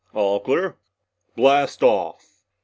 All clear? Blast off!"